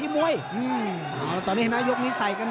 ไม่ได้